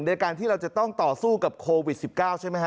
ในการที่เราจะต้องต่อสู้กับโควิด๑๙ใช่ไหมฮ